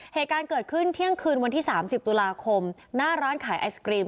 เหตุการณ์เกิดขึ้นเที่ยงคืนวันที่๓๐ตุลาคมหน้าร้านขายไอศกรีม